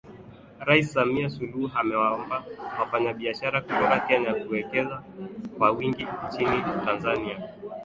Rais Samia Suluhu Hassan amewaomba wafanyabiashara kutoka Kenya kuwekeza kwa wingi nchini Tanzania